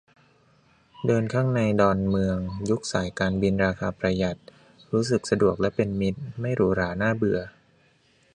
เดินข้างในดอนเมืองยุคสายการบินราคาประหยัด รู้สึกสะดวกและเป็นมิตร ไม่หรูหราน่าเบื่อ